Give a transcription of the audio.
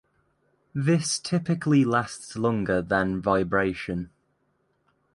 This typically lasts longer than vibration.